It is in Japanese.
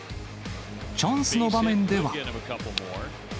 チャンスの場面では。